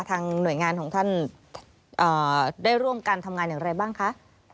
หน่วยงานของท่านได้ร่วมกันทำงานอย่างไรบ้างคะ